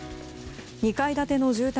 ２階建ての住宅